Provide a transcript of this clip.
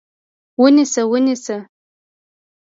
ونیسه! ونیسه!